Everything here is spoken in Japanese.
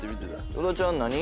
与田ちゃん何？